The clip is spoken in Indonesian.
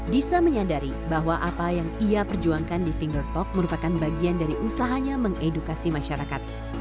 disa menyadari bahwa apa yang ia perjuangkan di finger talk merupakan bagian dari usahanya mengedukasi masyarakat